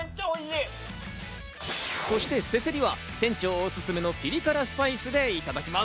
そして、せせりは店長オススメのピリ辛スパイスでいただきます。